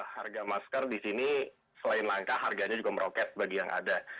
harga masker di sini selain langka harganya juga meroket bagi yang ada